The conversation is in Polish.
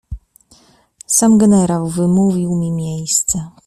"Sam generał wymówił mi miejsce."